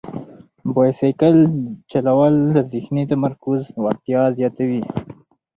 بایسکل چلول د ذهني تمرکز وړتیا زیاتوي.